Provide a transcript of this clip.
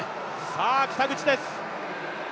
さあ、北口です。